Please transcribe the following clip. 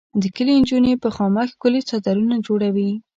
د کلي انجونې په خامک ښکلي څادرونه جوړوي.